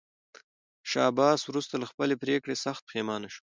شاه عباس وروسته له خپلې پرېکړې سخت پښېمانه شو.